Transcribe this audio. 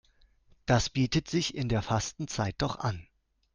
Das bietet sich in der Fastenzeit doch an.